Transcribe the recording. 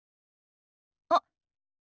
あっ。